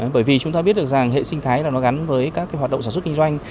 bởi vì chúng ta biết được rằng hệ sinh thái là nó gắn với các cái hoạt động sản xuất kinh doanh